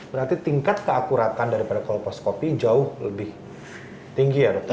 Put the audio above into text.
berarti tingkat keakuratan daripada kolposcopy jauh lebih tinggi ya dokter